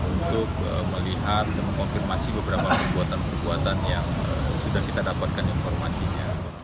untuk melihat dan mengkonfirmasi beberapa perbuatan perbuatan yang sudah kita dapatkan informasinya